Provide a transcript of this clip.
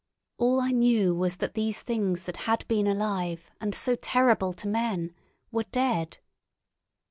All I knew was that these things that had been alive and so terrible to men were dead.